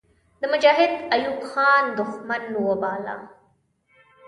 د مجاهد ایوب خان دښمن وباله.